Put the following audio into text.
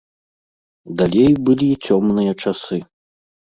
Далей былі цёмныя часы.